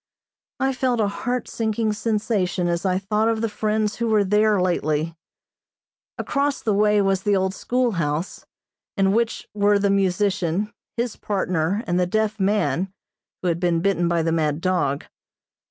I felt a heart sinking sensation as I thought of the friends who were there lately. Across the way was the old schoolhouse, in which were the musician, his partner and the deaf man, who had been bitten by the mad dog.